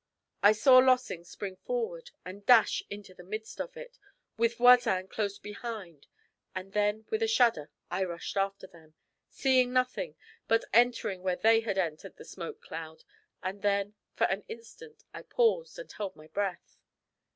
I saw Lossing spring forward and dash into the midst of it, with Voisin close behind, and then with a shudder I rushed after them, seeing nothing, but entering where they had entered the smoke cloud, and then for an instant I paused and held my breath.